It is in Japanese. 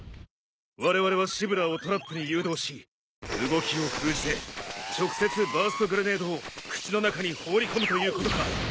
われわれはシブラーをトラップに誘導し動きを封じて直接バーストグレネードを口の中に放り込むということか。